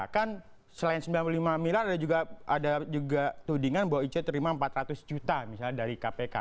kan selain sembilan puluh lima miliar ada juga tudingan bahwa ic terima empat ratus juta misalnya dari kpk